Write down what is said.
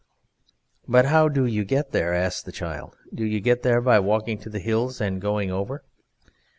"But how do you get there?" asked the child. "Do you get there by walking to the hills and going over?"